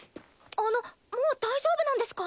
あのもう大丈夫なんですか？